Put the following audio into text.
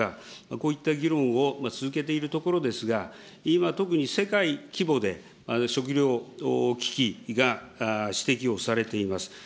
こういった議論を続けているところですが、今、特に世界規模で食料危機が指摘をされています。